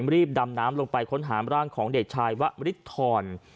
รีบดำน้ำลงไปค้นหามร่างของเด็กชายวะมริธร